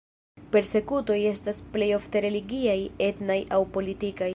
Persekutoj estas plej ofte religiaj, etnaj aŭ politikaj.